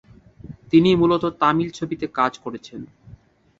তিনি মূলত তামিল ছবিতে কাজ করেছেন।